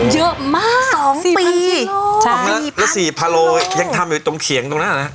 เยอะมากสองปีใช่แล้วสี่พาโลยังทำอยู่ตรงเขียงตรงนั้น